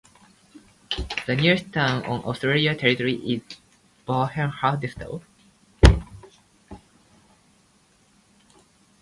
The nearest town on Austrian territory is Bernhardsthal.